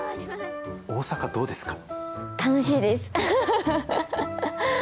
大阪、どうですか。